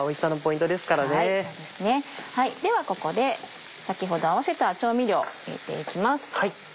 ではここで先ほど合わせた調味料を入れていきます。